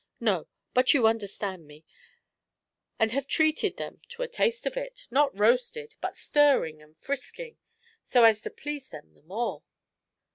No, but you understand me and have treated them to a taste of it, not roasted, but stirring and frisking, so as to please them the more."